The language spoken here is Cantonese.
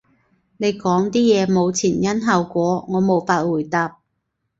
你講啲嘢冇前因後果，我無法回答